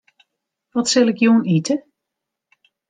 Wat sil ik jûn ite?